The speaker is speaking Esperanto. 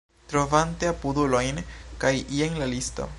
Trovante apudulojn kaj jen la listo